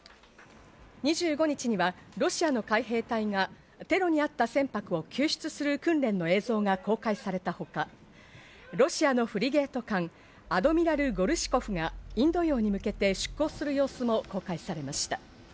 ２５日にはロシアの海兵隊がテロにあった船舶を救出する訓練の映像が公開されたほか、ロシアのフリゲート艦アドミラル・ゴルシコフがインド洋に向けて出港する様子も公開されました。